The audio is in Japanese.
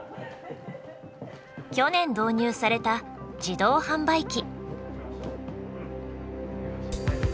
去年導入された自動販売機。